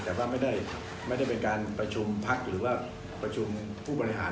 แต่ว่าไม่ได้เป็นการประชุมพักหรือว่าประชุมผู้บริหาร